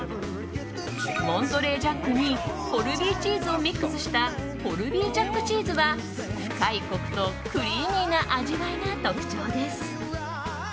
モントレージャックにコルビーチーズをミックスしたコルビージャックチーズは深いコクとクリーミーな味わいが特徴です。